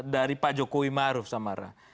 dari pak jokowi maruf samara